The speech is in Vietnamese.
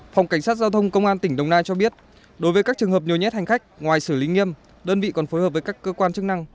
phòng cảnh sát giao thông công an tỉnh đồng nai cho biết đối với các trường hợp nhiều nhét hành khách ngoài xử lý nghiêm đơn vị còn phối hợp với các cơ quan chức năng